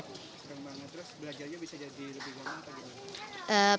terus belajarnya bisa jadi lebih gampang